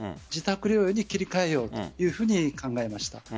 自宅療養に切り替えようというふうに考えました。